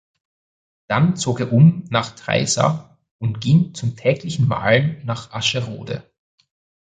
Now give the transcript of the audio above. Dann zog er um nach Treysa und ging zum täglichen Malen nach Ascherode.